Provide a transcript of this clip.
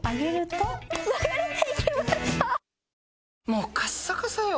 もうカッサカサよ